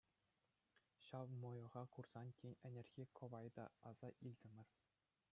Ҫав мӑйӑха курсан тин ӗнерхи кӑвайта аса илтӗмӗр.